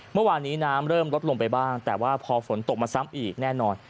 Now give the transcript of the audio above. เมื่อวานนี้น้ำเริ่มลดลงไปบ้างแต่ว่าพอฝนตกมาซ้ำอีกแน่นอน